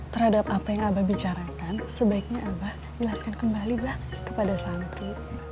terhadap apa yang abah bicarakan sebaiknya abah jelaskan kembali bah kepada santri